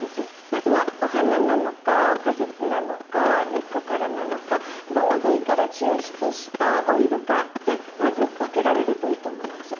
まずはお花なのか果実なのか根っこからなのかどの部位から抽出したオイルかでまず分けられるといいと思います。